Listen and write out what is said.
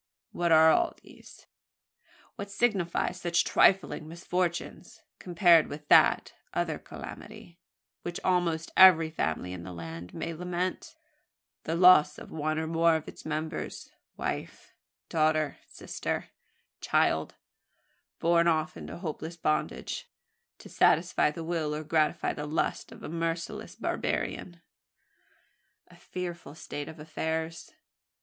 what are all these? What signify such trifling misfortunes, compared with that other calamity, which almost every family in the land may lament the loss of one or more of its members wife, daughter, sister, child borne off into hopeless bandage, to satisfy the will, or gratify the lust, of a merciless barbarian?" "A fearful state of affairs!"